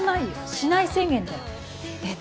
シない宣言だよえっ